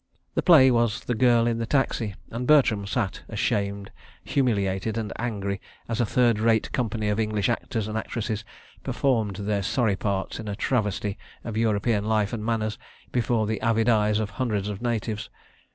The play was The Girl in the Taxi, and Bertram sat ashamed, humiliated and angry, as a third rate company of English actors and actresses performed their sorry parts in a travesty of European life and manners, before the avid eyes of hundreds of natives.